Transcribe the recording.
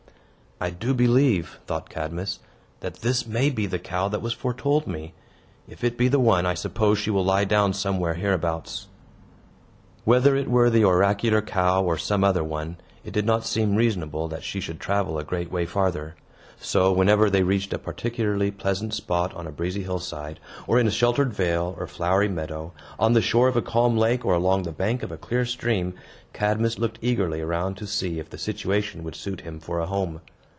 "I do believe," thought Cadmus, "that this may be the cow that was foretold me. If it be the one, I suppose she will lie down somewhere hereabouts." Whether it were the oracular cow or some other one, it did not seem reasonable that she should travel a great way farther. So, whenever they reached a particularly pleasant spot on a breezy hillside, or in a sheltered vale, or flowery meadow, on the shore of a calm lake, or along the bank of a clear stream, Cadmus looked eagerly around to see if the situation would suit him for a home.